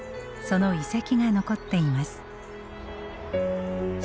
その遺跡が残っています。